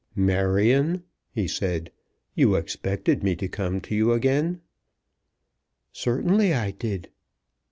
"Marion," he said, "you expected me to come to you again?" "Certainly I did."